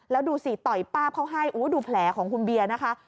แล้วดูสิต่อยป้าบเขาให้ดูแผลของคุณเบียร์นะคะ